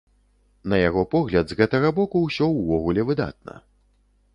На яго погляд, з гэтага боку ўсё ўвогуле выдатна.